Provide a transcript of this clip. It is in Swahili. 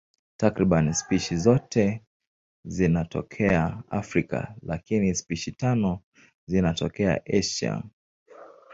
Takriban spishi zote zinatokea Afrika, lakini spishi tano zinatokea Asia.